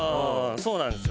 そうなんですよ。